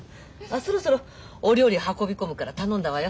そろそろお料理運び込むから頼んだわよ。